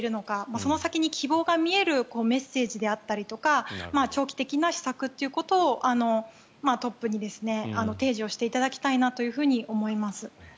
その先に希望が見えるメッセージであったりとか長期的な施策ということをトップに提示をしていただきたいなと思います。